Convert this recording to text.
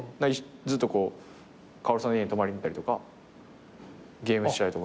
ずっとこう薫さんの家に泊まりに行ったりとかゲームしたりとか。